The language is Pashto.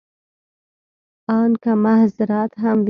ان که محض زراعت هم وي.